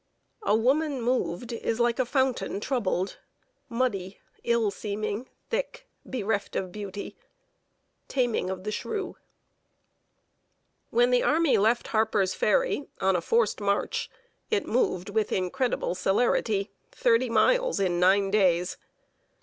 A woman moved is like a fountain troubled, Muddy, ill seeming, thick, bereft of beauty. TAMING OF THE SHREW. [Sidenote: ON THE MARCH SOUTHWARD.] When the army left Harper's Ferry, on a forced march, it moved, with incredible celerity, thirty miles in nine days!